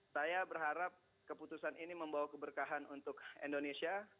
saya berharap keputusan ini membawa keberkahan untuk indonesia